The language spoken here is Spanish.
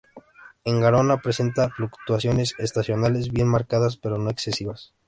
El Garona presenta fluctuaciones estacionales bien marcadas, pero no excesivas.